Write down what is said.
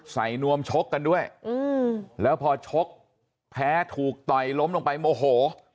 นวมชกกันด้วยแล้วพอชกแพ้ถูกต่อยล้มลงไปโมโห